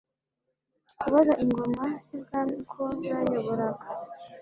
Kubaza Ingoma z'i Bwami uko zayoboraga